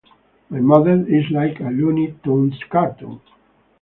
My mother is like a Looney Tunes cartoon.